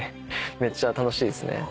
めっちゃ楽しいですね。